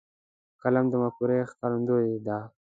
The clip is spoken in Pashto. قلم د مفکورې ښکارندوی دی.